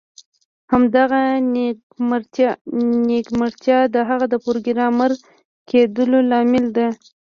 همدغه نیمګړتیا د هغه د پروګرامر کیدو لامل ده